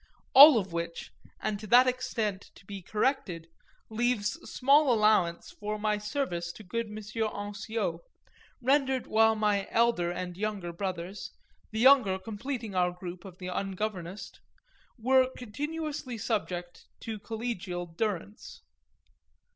All of which, and to that extent to be corrected, leaves small allowance for my service to good M. Ansiot, rendered while my elder and younger brothers the younger completing our group of the ungovernessed were continuously subject to collegial durance.